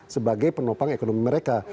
sebagai penopang ekonomi mereka